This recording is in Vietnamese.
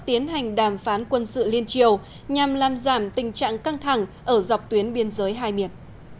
tiến hành đàm phán quân sự liên triều nhằm làm giảm tình trạng căng thẳng ở dọc tuyến biên giới hai miền